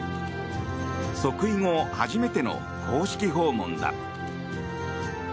即位後初めての公式訪問だ。